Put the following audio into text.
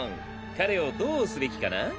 彼をどうすべきかな？